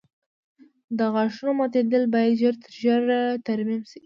د غاښونو ماتېدل باید ژر تر ژره ترمیم شي.